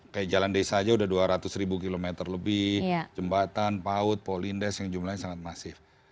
kayak jalan desa aja udah dua ratus ribu kilometer lebih jembatan paut polindes yang jumlahnya sangat masif